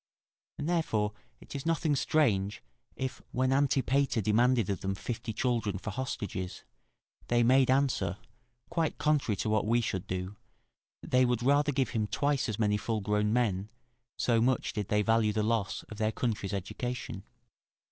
And therefore it is nothing strange if, when Antipater demanded of them fifty children for hostages, they made answer, quite contrary to what we should do, that they would rather give him twice as many full grown men, so much did they value the loss of their country's education.